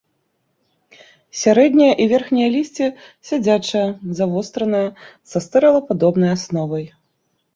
Сярэдняе і верхняе лісце сядзячае, завостранае, са стрэлападобнай асновай.